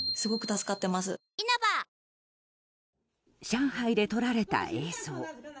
上海で撮られた映像。